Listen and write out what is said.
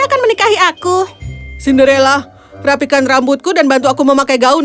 akan menikahi aku cinderella rapikan rambutku dan bantu aku memakai gaun